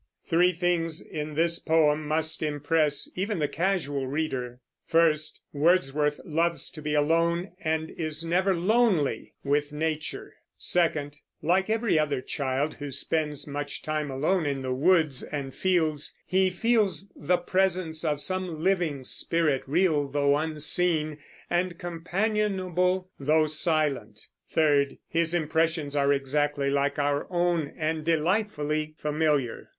Three things in this poem must impress even the casual reader: first, Wordsworth loves to be alone, and is never lonely, with nature; second, like every other child who spends much time alone in the woods and fields, he feels the presence of some living spirit, real though unseen, and companionable though silent; third, his impressions are exactly like our own, and delightfully familiar.